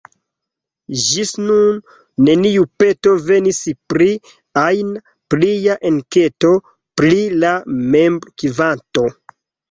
Ĝis nun, neniu peto venis pri ajna plia enketo pri la membrokvanto.